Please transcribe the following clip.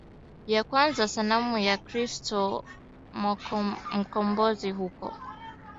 ya kwanza Sanamu ya Kristo mkombozi huko